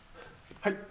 はい？